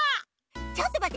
ちょっとまって！